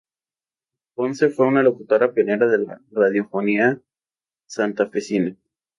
Ponce fue una locutora pionera de la radiofonía santafesina.